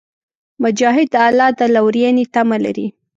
مجاهد د الله د لورینې تمه لري.